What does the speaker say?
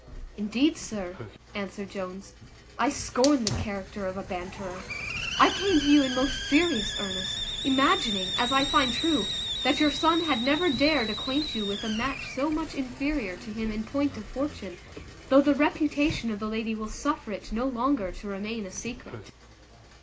"Indeed, sir," answered Jones, "I scorn the character of a banterer. I came to you in most serious earnest, imagining, as I find true, that your son had never dared acquaint you with a match so much inferior to him in point of fortune, though the reputation of the lady will suffer it no longer to remain a secret."